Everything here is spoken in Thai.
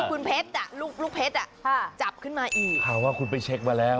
คุณเพชรอ่ะลูกลูกเพชรอ่ะค่ะจับขึ้นมาอีกข่าวว่าคุณไปเช็คมาแล้ว